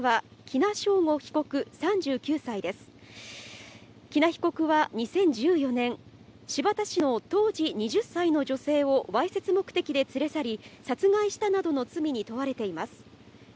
喜納被告は２０１４年、新発田市の当時２０歳の女性をわいせつ目的で連れ去り、殺害したなどの罪に問われています。